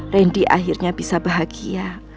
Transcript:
randy akhirnya bisa bahagia